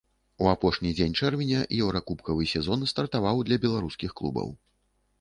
У апошні дзень чэрвеня еўракубкавы сезон стартаваў для беларускіх клубаў.